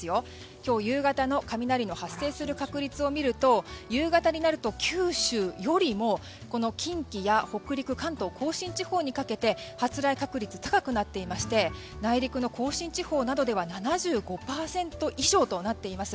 今日夕方の雷の発生する確率を見ると夕方になると九州よりも、近畿や北陸関東・甲信地方にかけて発雷確率、高くなっていまして内陸の甲信地方などでは７５％以上となっています。